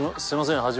すいません